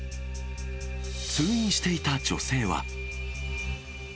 通院していた女性は。